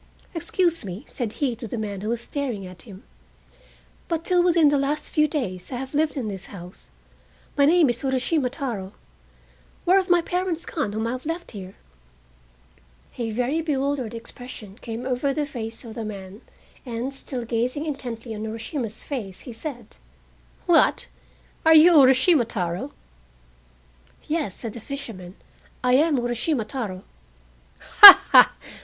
"Excuse me," said he to the man who was staring at him, "but till within the last few days I have lived in this house. My name is Urashima Taro. Where have my parents gone whom I left here?" A very bewildered expression came over the face of the man, and, still gazing intently on Urashima's face, he said: "What? Are you Urashima Taro?" "Yes," said the fisherman, "I am Urashima Taro!" "Ha, ha!"